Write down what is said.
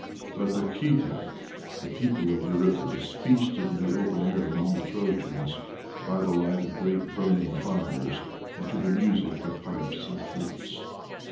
But the Khita, the people of Eurypylus, feasted in the open air among the Trojans, by the light of great fires burning, and to the music of pipes and flutes.